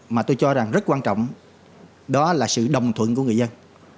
mà tôi cho rằng rất quan trọng đó là sự đồng thuận của người dân